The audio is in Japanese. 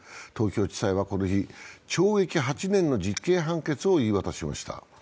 東京地裁はこの日、懲役８年の実刑判決を言い渡しました。